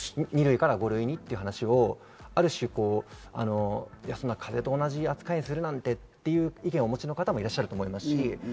２類から５類にという話、ある種、風邪と同じ扱いにするなんてという意見をお持ちの方もいらっしゃいます。